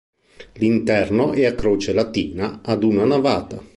L'interno è a croce latina ad una navata.